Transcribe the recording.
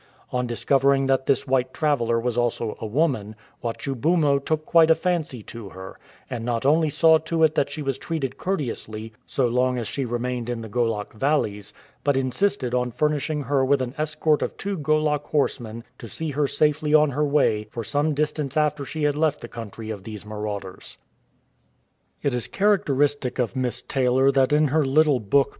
^ On dis covering that this white traveller was also a woman, AVachu Bumo took quite a fancy to her, and not only saw to it that she was treated courteously so long as she re mained in the Golok valleys, but insisted on furnishing her with an escort of two Golok horsemen to see her safely on her way for some distance after she had left the country of these marauders. It is characteristic of Miss Taylor that in her little book.